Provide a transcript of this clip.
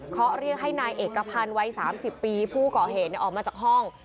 เขาเรียกให้นายเอกพันธ์วัย๓๐ปีผู้ก่อเหตุออกมาจากห้อง